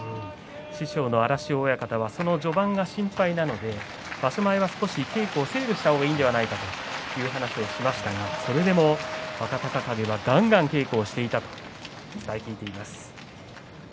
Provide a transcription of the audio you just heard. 師匠の荒汐親方はその序盤が心配なので稽古をセーブした方がいいんじゃないかという話をしていましたが、それでも若隆景はがんがん稽古をしていたと伝え聞いています。